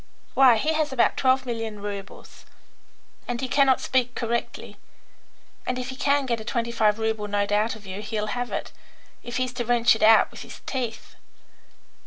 Why, he has about twelve million roubles, and he cannot speak correctly; and if he can get a twenty five rouble note out of you he'll have it, if he's to wrench it out with his teeth."